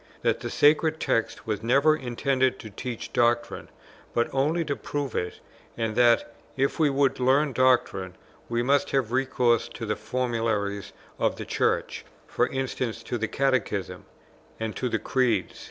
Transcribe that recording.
that the sacred text was never intended to teach doctrine, but only to prove it, and that, if we would learn doctrine, we must have recourse to the formularies of the Church; for instance to the Catechism, and to the Creeds.